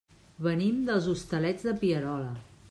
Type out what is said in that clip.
Venim dels Hostalets de Pierola.